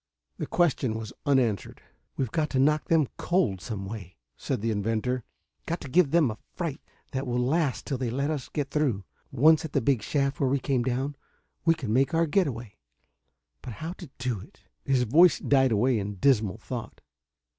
The question was unanswered. "We've got to knock them cold some way," said the inventor. "Got to give them a fright that will last till they let us get through. Once at the big shaft where we came down, we can make our getaway. But how to do it...." His voice died away in dismal thought.